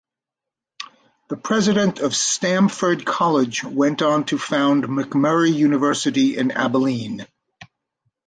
The President of Stamford College went on to found McMurry University in Abilene.